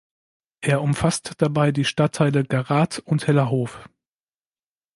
Er umfasst dabei die Stadtteile Garath und Hellerhof.